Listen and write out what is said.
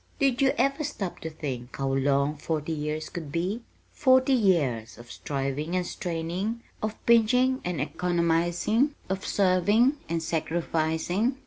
Did you ever stop to think how long forty years could be forty years of striving and straining, of pinching and economizing, of serving and sacrificing?